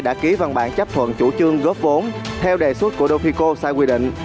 đã ký văn bản chấp thuận chủ trương góp vốn theo đề xuất của đô phi cô sai quy định